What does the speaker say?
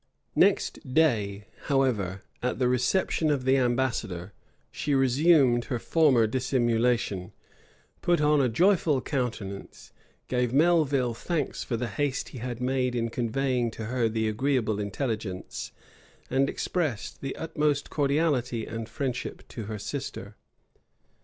Next day, however, at the reception of the ambassador, she resumed her former dissimulation, put on a joyful countenance, gave Melvil thanks for the haste he had made in conveying to her the agreeable intelligence, and expressed the utmost cordiality and friendship to her sister.